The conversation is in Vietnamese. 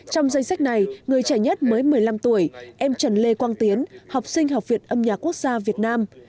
trong danh sách này người trẻ nhất mới một mươi năm tuổi em trần lê quang tiến học sinh học viện âm nhạc quốc gia việt nam